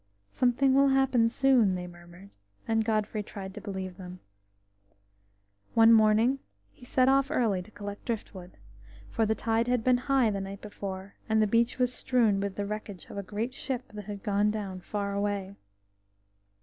"Something will happen soon," they murmured, and Godfrey tried to believe them. One morning he set off early to collect driftwood, for the tide had been high the night before, and the beach was strewn with the wreckage of a great ship that had gone down far away.